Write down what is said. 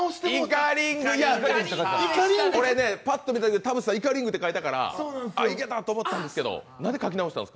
これパッと見たとき田渕さん、イカリングって書いたからあ、いけた！と思ったんですけど、なんで書き直したの？